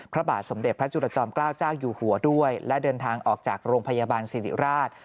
พระบาทสมเด็จพระจุลจอมเกล้าเจ้าอยู่หัวด้วยและเดินทางออกจากโรงพยาบาลสิริราช